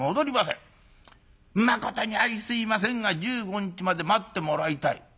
まことにあいすいませんが１５日まで待ってもらいたい』。